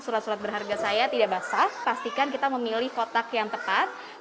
surat surat berharga saya tidak basah pastikan kita memilih kotak yang tepat